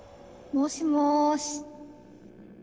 もしもし。